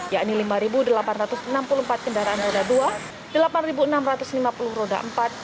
yakni lima delapan ratus enam puluh empat kendaraan roda dua delapan enam ratus lima puluh roda empat